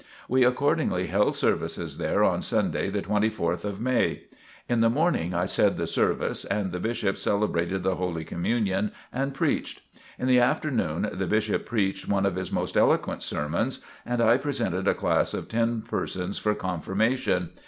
We accordingly held services there on Sunday, the 24th of May. In the morning I said the service and the Bishop celebrated the Holy Communion and preached. In the afternoon the Bishop preached one of his most eloquent sermons, and I presented a class of ten persons for confirmation.